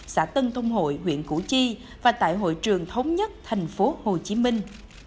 xã tân thông hội huyện củ chi và tại hội trường thống nhất thành phố hồ chí minh